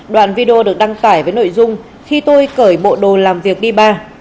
đoạn video được đăng tải với nội dung khi tôi cởi bộ đồ làm việc đi ba